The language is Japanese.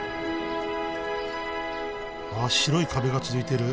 あっ白い壁が続いてる。